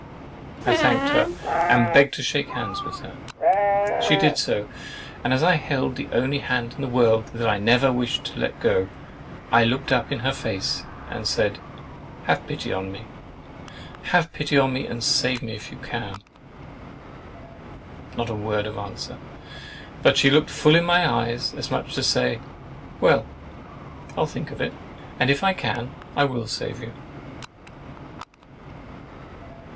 I thanked her and begged to shake hands with her. She did so, and as I held the only hand in the world that I never wished to let go, I looked up in her face, and said "Have pity on me, have pity on me, and save me if you can!" Not a word of answer, but she looked full in my eyes, as much as to say, "Well, I'll think of it; and if I can, I will save you!"